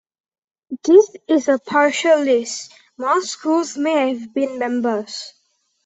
This is a partial list, more schools may have been members.